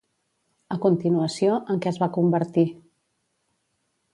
A continuació, en què es va convertir?